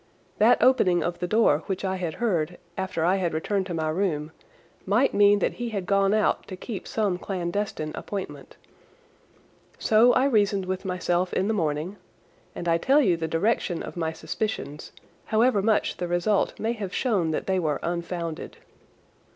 That opening of the door which I had heard after I had returned to my room might mean that he had gone out to keep some clandestine appointment. So I reasoned with myself in the morning, and I tell you the direction of my suspicions, however much the result may have shown that they were unfounded.